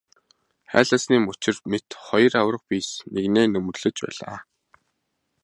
Хайлаасны мөчир мэт хоёр аварга биес нэгнээ нөмөрлөж байлаа.